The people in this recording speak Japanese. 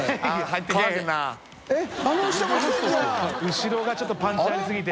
後ろがちょっとパンチありすぎて。